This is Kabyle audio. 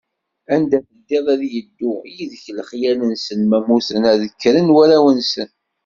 Anda teddiḍ ad yeddu yid-k lexyal-nsen, ma mmuten ad d-kkren warraw-nsen.